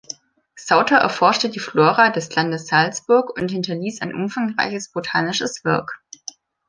Sauter erforschte die Flora des Landes Salzburg und hinterließ ein umfangreiches botanisches Werk.